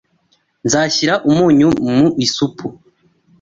Nzashyira umunyu mu isupu.